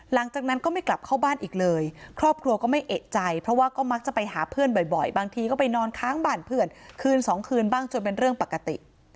หลังจากนั้นก็ไม่กลับเข้าบ้านอีกเลยครอบครัวก็ไม่เอกใจเพราะว่าก็มักจะไปหาเพื่อนบ่อยบางทีก็ไปนอนค้างบ้านเพื่อนคืนสองคืนบ้างจนเป็นเรื่องปกติ